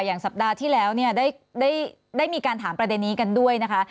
สัปดาห์ที่แล้วเนี่ยได้มีการถามประเด็นนี้กันด้วยนะคะ